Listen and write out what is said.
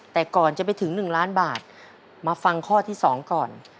แต่ก่อนจะไปถึง๑ล้านบาทมาฟังข้อที่๒ก่อน